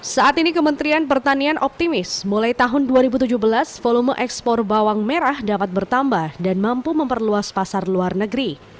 saat ini kementerian pertanian optimis mulai tahun dua ribu tujuh belas volume ekspor bawang merah dapat bertambah dan mampu memperluas pasar luar negeri